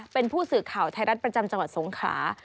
เป็นผู้สื่อข่าวไทยรัฐประจำจังหวัดสงขลา